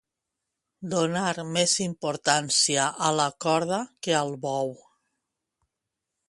Donar més importància a la corda que al bou.